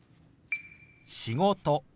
「仕事」。